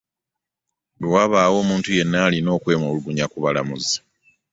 Bwe wabaawo omuntu yenna alina okwemulugunya ku balamuzi